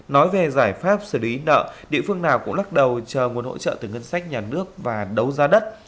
nói về giải pháp xử lý nợ địa phương nào cũng lắc đầu chờ nguồn hỗ trợ từ ngân sách nhà nước và đấu giá đất